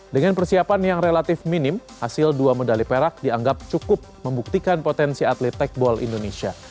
dengan persiapan yang relatif minim hasil dua medali perak dianggap cukup membuktikan potensi atlet techball indonesia